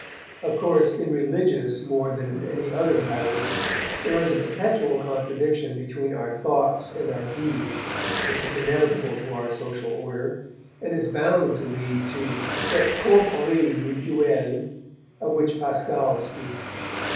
Of course, in religious more than in any other matters, there is a perpetual contradiction between our thoughts and our deeds which is inevitable to our social order, and is bound to lead to cette tromperie mutuelle of which Pascal speaks.